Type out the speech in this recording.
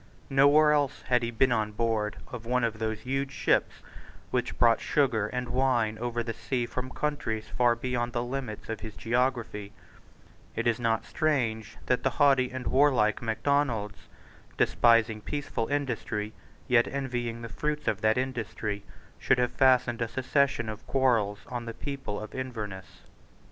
Nowhere else had he been on board of one of those huge ships which brought sugar and wine over the sea from countries far beyond the limits of his geography, It is not strange that the haughty and warlike Macdonalds, despising peaceful industry, yet envying the fruits of that industry, should have fastened a succession of quarrels on the people of Inverness.